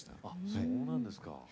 あそうなんですか。